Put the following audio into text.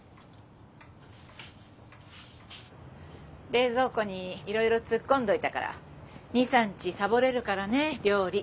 冷蔵庫にいろいろ突っ込んどいたから２３日サボれるからね料理。